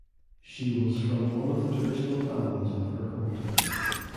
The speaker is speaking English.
She was from one of the traditional families of her hometown.